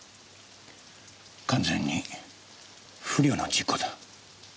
完全に不慮の事故だ。